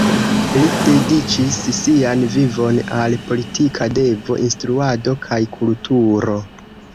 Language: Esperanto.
Li dediĉis sian vivon al politika devo, instruado kaj kulturo.